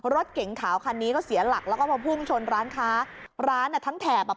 รถเก๋งขาวคันนี้ก็เสียหลักแล้วก็มาพุ่งชนร้านค้าร้านอ่ะทั้งแถบอ่ะ